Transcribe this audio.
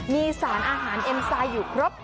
มีสารอาหารเอ็มไซด์อยู่ครบ